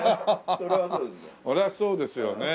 それはそうですよね。